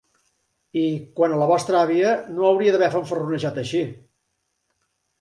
I, quant a la vostra àvia, no hauria d'haver fanfarronejat així!